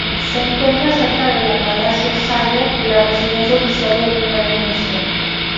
Se encuentra cerca de la Palacio Sager, la residencia oficial del primer ministro.